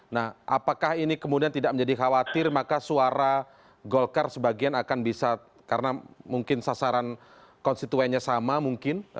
nah apakah ini kemudian tidak menjadi khawatir maka suara golkar sebagian akan bisa karena mungkin sasaran konstituennya sama mungkin